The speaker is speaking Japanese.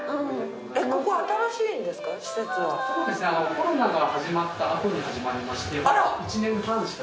コロナが始まった後に始まりまして。